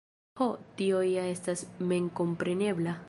Ho! tio ja estas memkomprenebla.